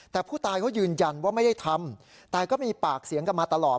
แต่ผู้ตายเขายืนยันว่าไม่ได้ทำแต่ก็มีปากเสียงกันมาตลอด